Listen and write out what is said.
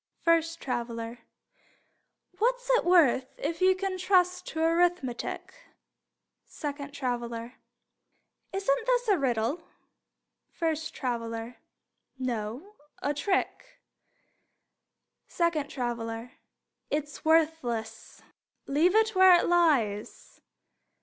First Traveler: What's it worth, if you can trust To arithmetic? Second Traveler: Isn't this a riddle? First Traveler: No, a trick. Second Traveler: It's worthless. Leave it where it lies.